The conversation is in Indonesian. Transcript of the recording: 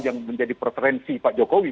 yang menjadi preferensi pak jokowi